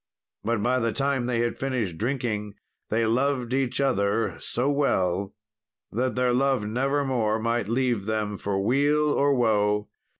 But by the time they had finished drinking they loved each other so well that their love nevermore might leave them for weal or woe.